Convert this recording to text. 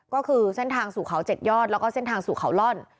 ก็คือเส้นทางสู่เขา๗ยอดแล้วก็เส้นทางสู่เขาล่อน